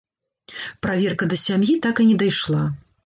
Праверка да сям'і так і не дайшла.